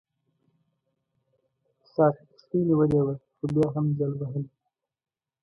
ساقي کښتۍ نیولې وه خو بیا هم جل وهله.